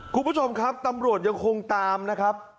คุณผู้ชมครับตำรวจยังคงตามนะครับ